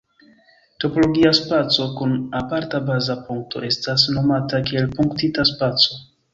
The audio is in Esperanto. Topologia spaco kun aparta baza punkto estas nomata kiel punktita spaco.